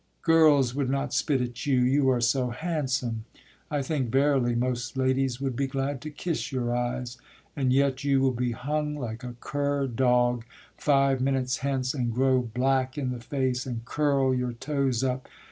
Girls would not spit at you. You are so handsome, I think verily Most ladies would be glad to kiss your eyes, And yet you will be hung like a cur dog Five minutes hence, and grow black in the face, And curl your toes up.